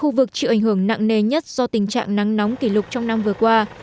khu vực chịu ảnh hưởng nặng nề nhất do tình trạng nắng nóng kỷ lục trong năm vừa qua